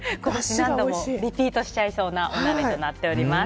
何度もリピートしちゃいそうなお鍋となっています。